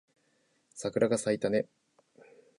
桜が咲いたね